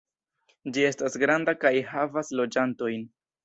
Ĝi estas granda kaj havas loĝantojn.